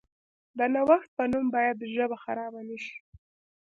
د نوښت په نوم باید ژبه خرابه نشي.